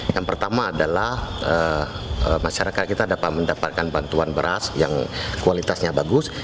yang pertama adalah masyarakat kita dapat mendapatkan bantuan beras yang kualitasnya bagus